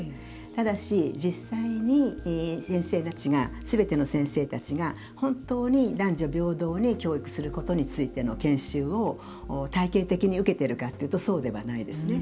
ただし、実際に先生たちがすべての先生たちが本当に男女平等に教育することについての研修を体系的に受けているかというとそうではないですよね。